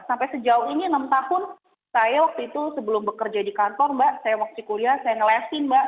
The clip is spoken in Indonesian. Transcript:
sampai sejauh ini enam tahun saya waktu itu sebelum bekerja di kantor mbak saya waktu kuliah saya ngelesin mbak